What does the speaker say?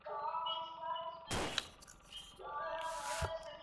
Ronaldo alifunga bao la kumi na tano la Kombe la Dunia